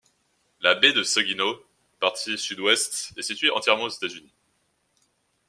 La baie de Saginaw, partie sud-ouest, est située entièrement aux États-Unis.